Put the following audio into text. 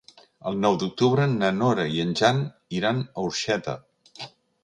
El nou d'octubre na Nora i en Jan iran a Orxeta.